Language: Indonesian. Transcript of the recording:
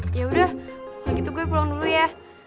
eh yaudah waktu itu gue pulang dulu ya